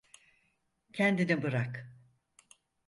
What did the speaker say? Kendini bırak.